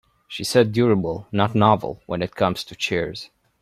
She said durable not novel when it comes to chairs.